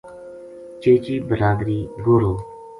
چیچی بلادری گوہرو